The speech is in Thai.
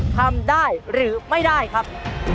ทำได้หรือไม่ได้ครับ